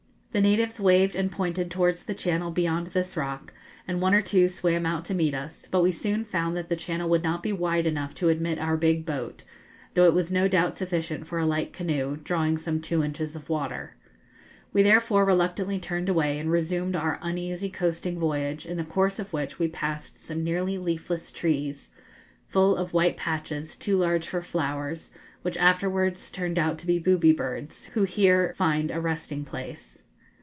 The natives waved and pointed towards the channel beyond this rock, and one or two swam out to meet us; but we soon found that the channel would not be wide enough to admit our big boat, though it was no doubt sufficient for a light canoe, drawing some two inches of water. We therefore reluctantly turned away and resumed our uneasy coasting voyage, in the course of which we passed some nearly leafless trees, full of white patches, too large for flowers, which afterwards turned out to be booby birds, who here find a resting place.